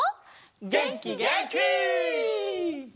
げんきげんき！